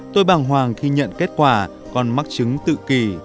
tôi bằng hoàng khi nhận kết quả con mắc chứng tự kỳ